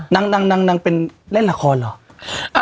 นางนางเป็นเล่นละครเนี่ย